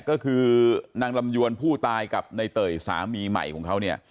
ก็คือนางลำยวนผู้ตายกับในเตยสามีใหม่ของเขาเนี่ย